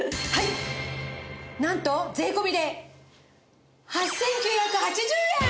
なんと税込で８９８０円！